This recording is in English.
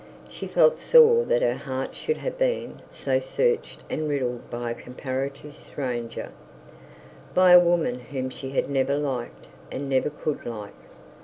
She felt sore that her heart should have been so searched and riddled by a comparative stranger, by a woman whom she had never liked and never could like.